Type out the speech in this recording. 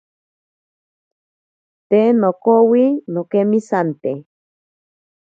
Te nokowi nokemisante.